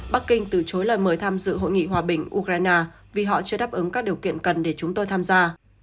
bắc kinh từ chối lời mời tham dự hội nghị hòa bình ukraine vì họ chưa đáp ứng các điều kiện cần để chúng tôi tham gia